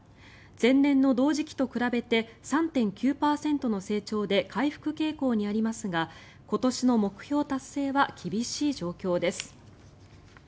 前年の同時期と比べて３．９％の成長で回復傾向にありますが今年の目標達成は厳しい状況です。